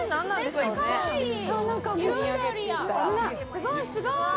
すごい、すごい。